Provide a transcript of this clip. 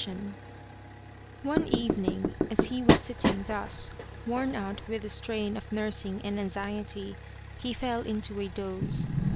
83 The Spirit of the Lantern One evening, as he was sitting thus, worn out with the strain of nursing and anxiety, he fell into a doze.